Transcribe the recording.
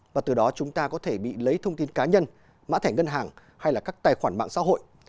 và từ đó chúng ta có thể bị lấy thông tin cá nhân mã thẻ ngân hàng hay các tài khoản mạng xã hội